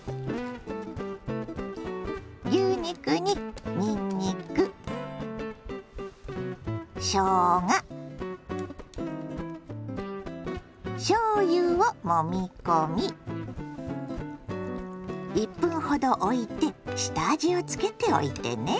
牛肉ににんにくしょうがしょうゆをもみ込み１分ほどおいて下味をつけておいてね。